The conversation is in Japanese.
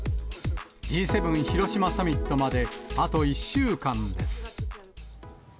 Ｇ７広島サミットまであと１週間です。